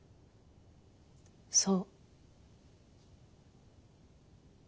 そう。